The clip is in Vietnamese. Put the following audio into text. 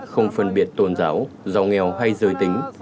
không phân biệt tôn giáo giàu nghèo hay giới tính